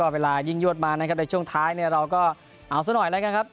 เวลายิ่งยวดมาในช่วงท้ายเราก็เอาสักหน่อยแล้วกันครับ